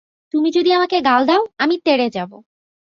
তুমি যদি আমাকে গাল দাও, আমি তেড়ে যাব।